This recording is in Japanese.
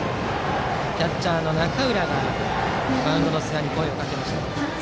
キャッチャーの中浦がマウンドの寿賀に声をかけました。